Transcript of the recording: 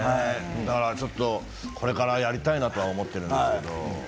でもちょっと、これからやりたいと思っているんですけど。